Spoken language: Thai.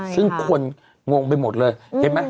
ซึ่งคนงงไปหมดเลยเห็นไหม